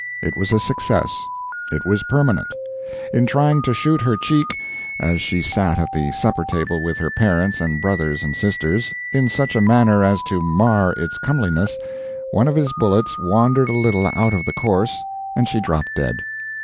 It was a success. It was permanent. In trying to shoot her cheek (as she sat at the supper table with her parents and brothers and sisters) in such a manner as to mar its comeliness, one of his bullets wandered a little out of the course, and she dropped dead.